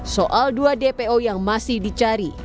soal dua dpo yang masih dicari